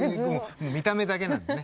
見た目だけなんでね。